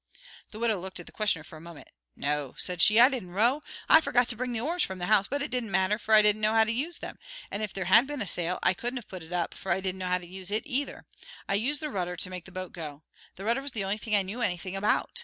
The widow looked at the questioner for a moment. "No," said she, "I didn't row. I forgot to bring the oars from the house; but it didn't matter, for I didn't know how to use them, and if there had been a sail I couldn't have put it up, for I didn't know how to use it, either. I used the rudder to make the boat go. The rudder was the only thing I knew anything about.